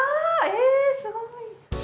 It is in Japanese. えすごい。